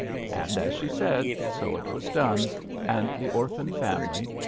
And as she said, so it was done, and the orphan family prospered.